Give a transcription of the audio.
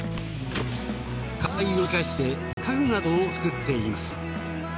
間伐材を生かして家具などを作っています。